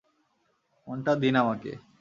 ফোনটা দিন আমাকে।